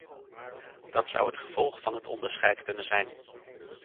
Dat zou het gevolg van het onderscheid kunnen zijn.